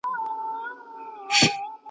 زه هره ورځ شګه پاکوم!